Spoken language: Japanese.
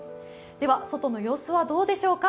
では、外の様子はどうでしょうか？